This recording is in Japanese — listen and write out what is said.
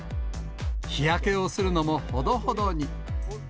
日焼けをするのもほどほどに。